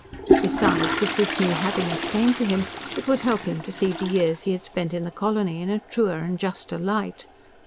Besides, if this new happiness came to him, it would help him to see the years he had spent in the colony in a truer and juster light.